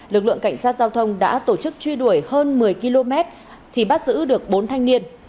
lực lượng cảnh sát giao thông đã tổ chức truy đuổi hơn một mươi km thì bắt giữ được bốn thanh niên